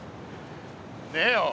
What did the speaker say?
ねえよ。